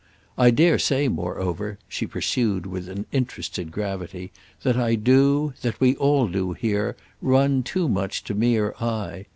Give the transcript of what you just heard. I dare say moreover," she pursued with an interested gravity, "that I do, that we all do here, run too much to mere eye.